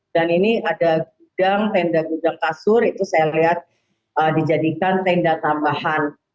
dan ini ada gudang gudang kasur itu saya lihat dijadikan tenda tambahan